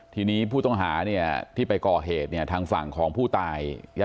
ทีนี้ผู้ต้องหาที่ไปก่อเหตุทางฝั่งของผู้ตาย